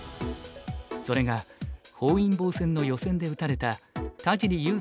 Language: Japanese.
それが本因坊戦の予選で打たれた田尻悠